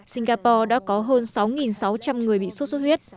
singapore đã có hơn sáu sáu trăm linh người bị sốt xuất huyết